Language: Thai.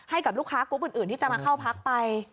ให้กับลูกค้ากรุ๊ปอื่นที่จะมาเข้าพักไป